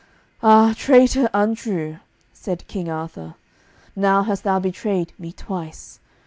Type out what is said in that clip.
"Ah, traitor, untrue," said King Arthur, "now hast thou betrayed me twice.